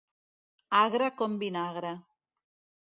Agre com vinagre.